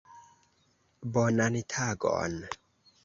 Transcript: Bonan tagon!